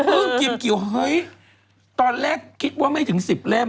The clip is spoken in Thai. อึ้งกิ่มกี่ตอนแรกคิดว่าไม่ถึง๑๐เล่ม